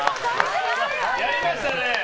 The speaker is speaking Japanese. やりましたね。